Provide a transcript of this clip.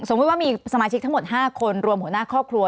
ว่ามีสมาชิกทั้งหมด๕คนรวมหัวหน้าครอบครัว